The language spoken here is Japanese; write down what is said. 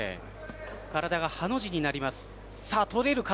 体がハの字になります。